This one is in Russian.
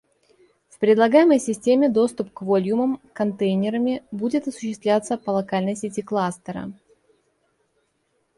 В предлагаемой системе доступ к вольюмам контейнерами будет осуществляться по локальной сети кластера